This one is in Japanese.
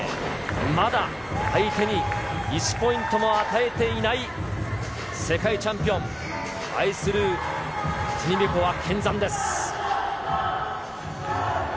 まだ相手に１ポイントも与えていない世界チャンピオン、アイスルー・ティニベコワ、見参です。